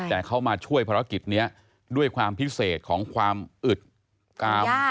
แต่เขามาช่วยภารกิจนี้ด้วยความพิเศษของความอึดกาม